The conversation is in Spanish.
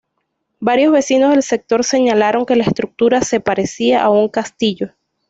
Varios vecinos del sector señalaron que la estructura se parecía a un castillo.